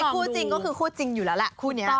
คู่จริงก็คือคู่จริงอยู่แล้วแหละคู่นี้